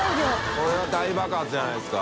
これは大爆発じゃないですか？